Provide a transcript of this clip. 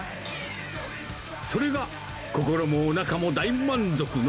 それが心もおなかも大満足の。